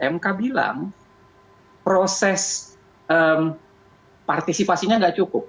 mk bilang proses partisipasinya nggak cukup